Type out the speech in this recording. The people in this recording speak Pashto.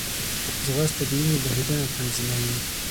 ځغاسته د وینې بهېدنه تنظیموي